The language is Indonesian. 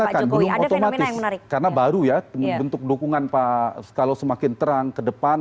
nah itu yang saya katakan belum otomatis karena baru ya bentuk dukungan pak kalau semakin terang ke depan